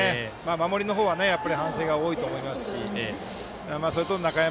守りの方はやっぱり反省が多いと思いますし中山